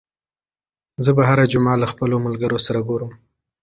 زه به هره جمعه له خپلو ملګرو سره ګورم.